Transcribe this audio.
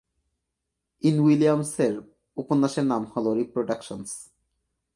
In উইলিয়ামসের উপন্যাসের নাম হলো রিপ্রোডাকশনস।